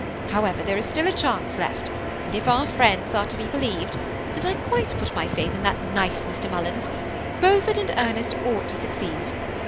However, there is still a chance left ; and if our friends are to be be^ lieved, — and I quite put my faith in that nice Mr. Mullins, — Beaufort and Ernest ought to succeed.